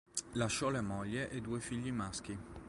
Lasciò la moglie e due figli maschi.